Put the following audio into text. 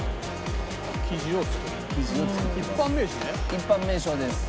一般名称です。